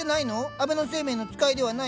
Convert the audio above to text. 安倍晴明の使いではないの？